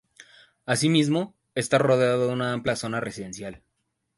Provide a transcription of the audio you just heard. Asimismo, está rodeado de una amplia zona residencial.